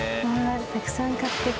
たくさん買っていく。